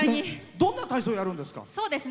どんな体操やるんですか？